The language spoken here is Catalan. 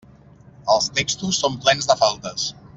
Els textos són plens de faltes.